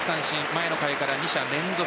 前の回から２者連続